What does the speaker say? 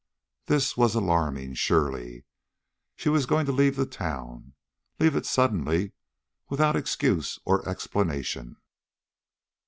This was alarming, surely. She was going to leave the town leave it suddenly, without excuse or explanation!